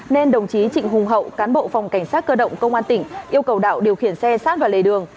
nên đồng chí trịnh hùng hậu cán bộ phòng cảnh sát cơ động công an tỉnh yêu cầu đạo điều khiển xe sát vào lề đường